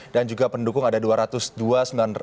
dan juga pendukung ada dua ratus dua puluh hektare